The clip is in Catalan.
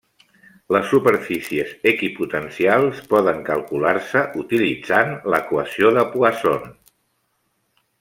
Les superfícies equipotencials poden calcular-se utilitzant l'equació de Poisson.